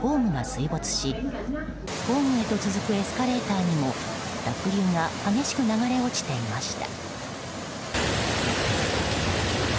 地下鉄ウォンタイシン駅ではホームが水没しホームへと続くエスカレーターにも濁流が激しく流れ落ちていました。